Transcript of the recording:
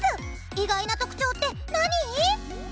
意外な特徴って何？